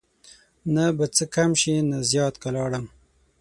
نه به څه کم شي نه زیات که لاړم